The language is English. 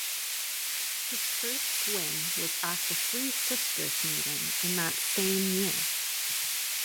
His first win was at the Three Sisters meeting in that same year.